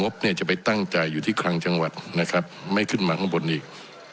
บเนี่ยจะไปตั้งใจอยู่ที่คลังจังหวัดนะครับไม่ขึ้นมาข้างบนอีก